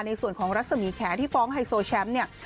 ในส่วนของรัศมีแขที่ฟ้องไฮโซแชมป์เนี่ย